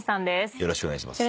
よろしくお願いします。